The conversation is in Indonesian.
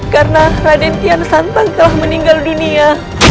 karena raden kian santang telah meninggal dunia